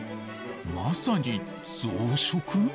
まさに増殖！？